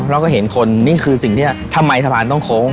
เราก็เห็นคนนี่คือสิ่งที่ทำไมสะพานต้องโค้ง